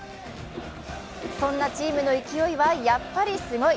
そんなチームの勢いはやっぱりすごい。